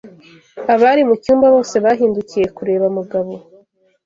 Abari mucyumba bose bahindukiye kureba Mugabo.